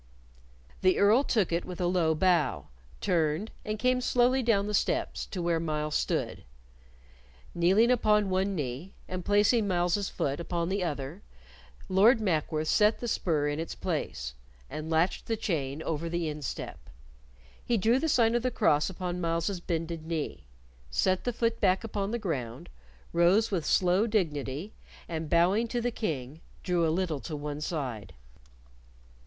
The Earl took it with a low bow, turned, and came slowly down the steps to where Myles stood. Kneeling upon one knee, and placing Myles's foot upon the other, Lord Mackworth set the spur in its place and latched the chain over the instep. He drew the sign of the cross upon Myles's bended knee, set the foot back upon the ground, rose with slow dignity, and bowing to the King, drew a little to one side.